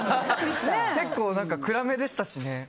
結構暗めでしたしね。